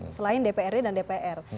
selain dprd dan dpr